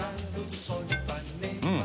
うん！